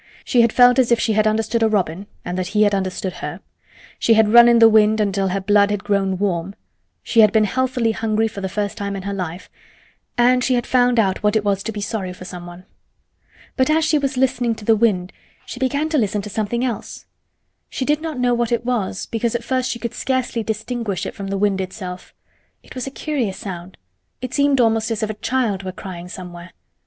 She had felt as if she had understood a robin and that he had understood her; she had run in the wind until her blood had grown warm; she had been healthily hungry for the first time in her life; and she had found out what it was to be sorry for someone. But as she was listening to the wind she began to listen to something else. She did not know what it was, because at first she could scarcely distinguish it from the wind itself. It was a curious sound—it seemed almost as if a child were crying somewhere.